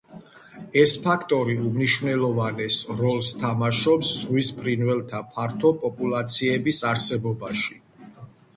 ეს ფაქტორი უმნიშვნელოვანეს როლს თამაშობს ზღვის ფრინველთა ფართო პოპულაციების არსებობაში.